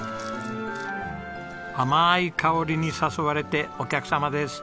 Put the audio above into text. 甘い香りに誘われてお客様です。